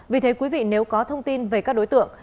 vì thế quý vị nếu có thông tin về các đối tượng